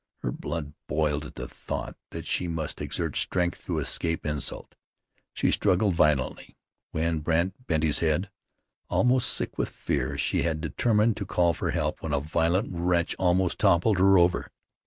Her blood boiled at the thought that she must exert strength to escape insult. She struggled violently when Brandt bent his head. Almost sick with fear, she had determined to call for help, when a violent wrench almost toppled her over.